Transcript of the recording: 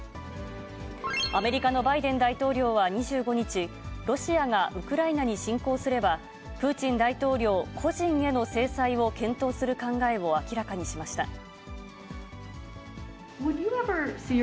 アメリカのバイデン大統領は２５日、ロシアがウクライナに侵攻すれば、プーチン大統領個人への制裁を検討する考えを明らかにしました。